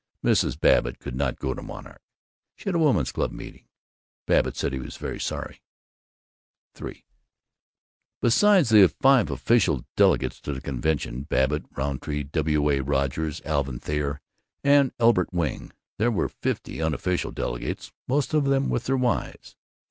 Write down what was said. Mrs. Babbitt could not go to Monarch. She had a women's club meeting. Babbitt said that he was very sorry. III Besides the five official delegates to the convention Babbitt, Rountree, W. A. Rogers, Alvin Thayer, and Elbert Wing there were fifty unofficial delegates, most of them with their wives.